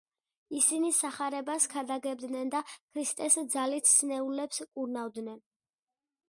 ისინი სახარებას ქადაგებდნენ და ქრისტეს ძალით სნეულებს კურნავდნენ.